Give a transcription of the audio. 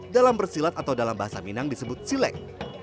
dalam bersilat atau dalam bahasa minang disebut silek